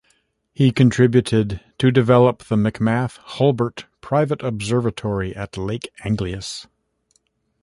He contributed to develop the McMath-Hulbert private observatory at Lake Angelus.